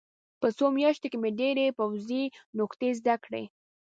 په څو میاشتو کې مې ډېرې پوځي نکتې زده کړې